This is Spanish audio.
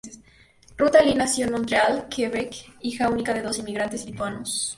Ruta Lee nació en Montreal, Quebec, hija única de dos inmigrantes lituanos.